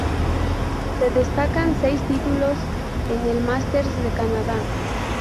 Se destacan seis títulos en el Masters de Canadá.